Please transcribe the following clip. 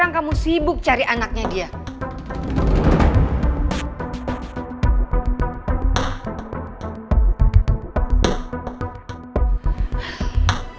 aku bisa nyari anaknya di rumah